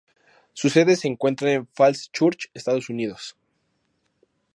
Su sede se encuentra en Falls Church, Estados Unidos.